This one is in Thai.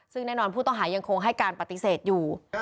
ซึ่งแน่นอนผู้ต้องหายังคงให้การปฏิเสธอยู่